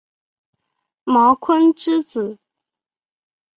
茅坤之子。